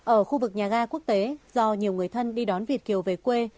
ở khu vực nhà ga quốc tế do nhiều người thân đi đón việt kiều về quê